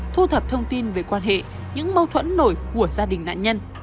thu thập thông tin về quan hệ những mâu thuẫn nổi của gia đình nạn nhân